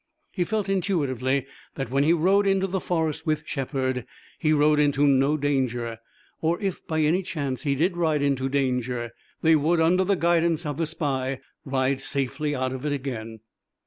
He felt intuitively that when he rode into the forest with Shepard he rode into no danger, or if by any chance he did ride into danger, they would, under the guidance of the spy, ride safely out of it again.